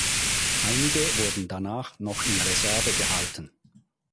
Einige wurden danach noch in Reserve gehalten.